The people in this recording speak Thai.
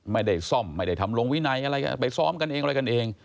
ไม่ได้ซ่อมไม่ได้ทำลงวินัยอะไรก็ไปซ้อมกันเองอะไรกันเอง